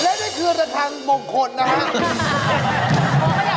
อย่างนี้คือระคามงคลนะครับ